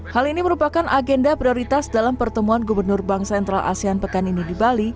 hal ini merupakan agenda prioritas dalam pertemuan gubernur bank sentral asean pekan ini di bali